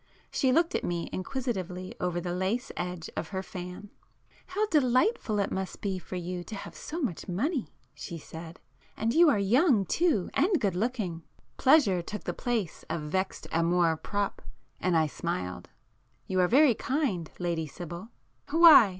She looked at me inquisitively over the lace edge of her fan. "How delightful it must be for you to have so much money!" she said—"And you are young too, and good looking." Pleasure took the place of vexed amour propre and I smiled. "You are very kind, Lady Sibyl!" "Why?"